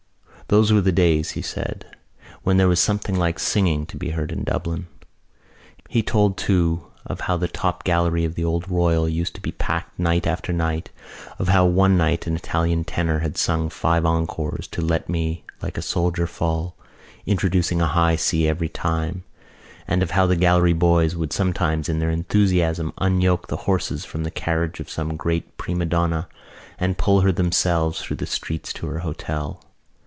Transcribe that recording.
Those were the days, he said, when there was something like singing to be heard in Dublin. He told too of how the top gallery of the old Royal used to be packed night after night, of how one night an Italian tenor had sung five encores to Let me like a Soldier fall, introducing a high C every time, and of how the gallery boys would sometimes in their enthusiasm unyoke the horses from the carriage of some great prima donna and pull her themselves through the streets to her hotel.